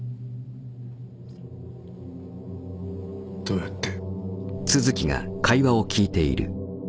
どうやって？